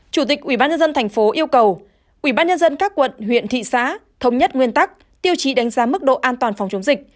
chủ tịch ubnd tp yêu cầu ubnd các quận huyện thị xã thống nhất nguyên tắc tiêu chí đánh giá mức độ an toàn phòng chống dịch